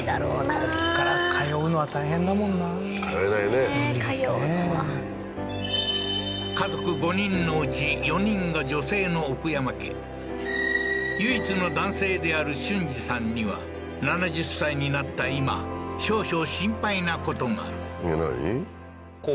ここから通うのは大変だもんな通えないね無理ですね通うのは家族５人の内４人が女性の奥山家唯一の男性である俊二さんには７０歳になった今少々心配なことが何？